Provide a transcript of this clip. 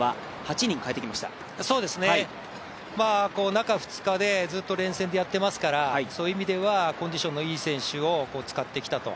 中２日でずっと連戦でやっていますからそういう意味では、コンディションのいい選手を使ってきたと。